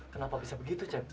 kenapa bisa begitu cep